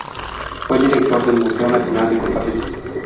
Fue director del Museo Nacional de Costa Rica.